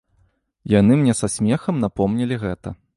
Яны мне са смехам напомнілі гэта.